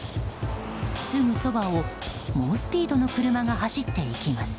すぐそばを猛スピードの車が走っていきます。